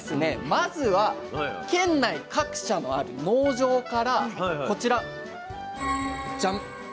まずは県内各社にある農場からこちらジャン。